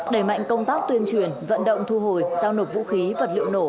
đẩy mạnh công tác tuyên truyền vận động thu hồi giao nộp vũ khí vật liệu nổ